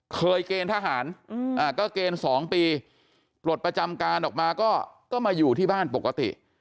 เกณฑ์ทหารก็เกณฑ์๒ปีปลดประจำการออกมาก็มาอยู่ที่บ้านปกติ